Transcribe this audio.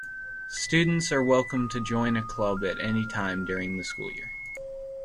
Students are welcome to join a club at any time during the school year.